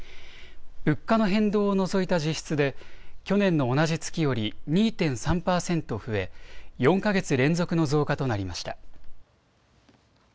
物価の変動を除いた実質で去年の同じ月より２．３％増え４か月連続の増加となりました。